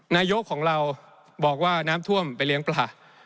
นายกของเราบอกว่าน้ำท่วมไปเลี้ยงปลา